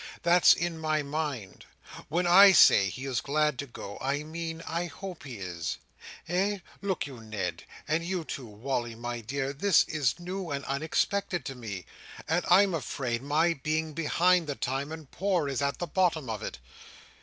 That's in my mind. When I say he is glad to go, I mean I hope he is. Eh? look you, Ned and you too, Wally, my dear, this is new and unexpected to me; and I'm afraid my being behind the time, and poor, is at the bottom of it.